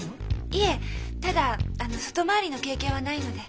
いえただ外回りの経験はないので。